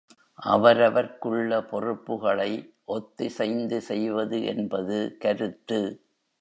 அவரவர்க்குள்ள பொறுப்புகளை ஒத்திசைந்து செய்வது என்பது கருத்து.